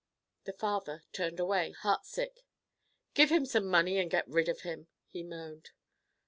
The father turned away, heartsick. "Give him some money and get rid of him," he moaned.